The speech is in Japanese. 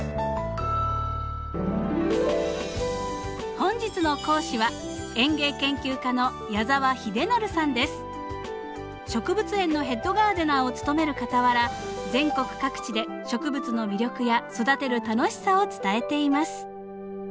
本日の講師は植物園のヘッドガーデナーを務めるかたわら全国各地で植物の魅力や育てる楽しさを伝えています。